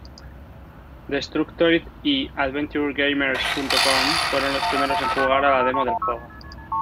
Destructoid y AdventureGamers.com fueron los primeros en jugar a la demo del juego.